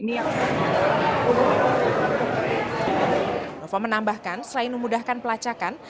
nova menambahkan selain memudahkan pelacakan